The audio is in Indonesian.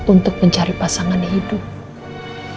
untuk mencari pasangan hidupnya